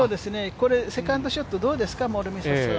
これセカンドショットどうですか？